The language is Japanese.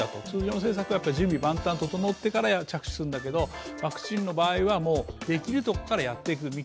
通常の制作は準備万端整ってから着手するんだけど、ワクチンの場合はできるところからやっていく。